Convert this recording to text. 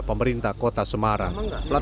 pemerintah kota semarang